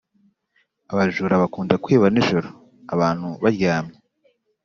Abajura bakunda kwiba ninjoro abantu baryamye